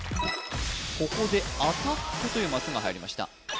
ここでアタックというマスが入りました